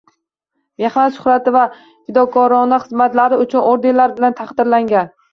“Mehnat shuhrati” va “Fidokorona xizmatlari uchun” ordenlari bilan taqdirlangan.